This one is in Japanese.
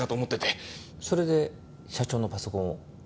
それで社長のパソコンを？